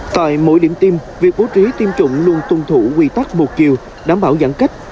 tại mỗi điểm tiêm việc bố trí tiêm chủng luôn tuân thủ quy tắc một chiều đảm bảo giãn cách